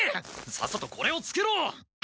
さっさとこれをつけろ！